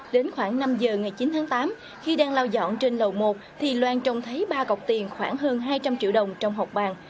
đến khoảng năm giờ ngày chín tháng tám khi đang lau dọn trên lầu một thì loan trồng thấy ba cọc tiền khoảng hơn hai trăm linh triệu đồng trong hộp bàn